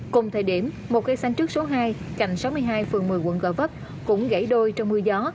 cùng thời điểm một cây xanh trước số hai cạnh sáu mươi hai phường một mươi quận gò vấp cũng gãy đôi trong mưa gió